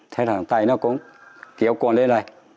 thế thằng tây nó cũng kéo cuốn đến đây